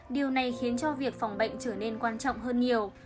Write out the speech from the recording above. điều này khiến cho việc phòng bệnh trở nên quan trọng hơn nhiều